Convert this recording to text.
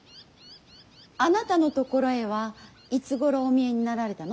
あなたのところへはいつごろお見えになられたの。